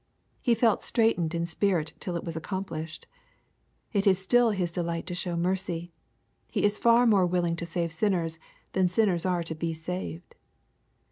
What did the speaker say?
He felt straitened in spirit till it was accomplished. It is still His delight to show mercy. He is far more willing to save sinners than sinners are to be saved.